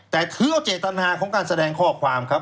แต่เทื้อเจตนาของการแสดงข้อความครับ